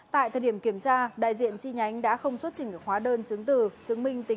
tại thời điểm kiểm tra đại diện chi nhánh đã không xuất trình được hóa đơn chứng từ